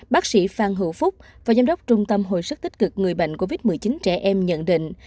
bác sĩ phan hữu phúc và giám đốc trung tâm hồi sức tích cực người bệnh covid một mươi chín trẻ em nhận định